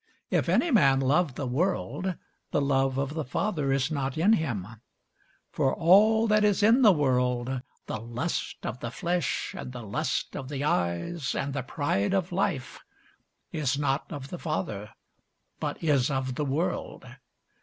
If any man love the world, the love of the Father is not in him. For all that is in the world, the lust of the flesh, and the lust of the eyes, and the pride of life, is not of the Father, but is of the world.